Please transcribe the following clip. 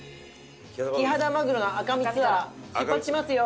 キハダマグロの赤身ツアー出発しますよ。